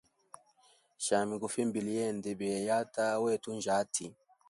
Shami gufimbile yende beyayata wetu unjati.